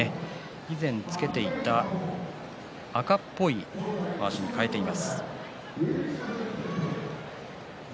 以前、着けていた赤っぽいまわしに替えています。